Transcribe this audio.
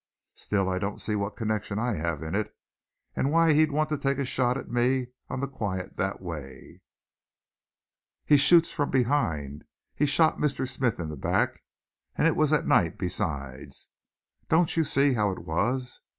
"Still, I don't see what connection I have in it, why he'd want to take a shot at me on the quiet that way." "He shoots from behind, he shot Mr. Smith in the back, and it was at night, besides. Don't you see how it was?